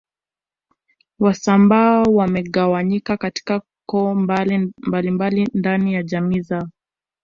Wasambaa wamegawanyika katika koo mbalimbali ndani ya jamii zao